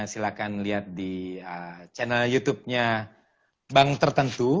silahkan lihat di channel youtubenya bank tertentu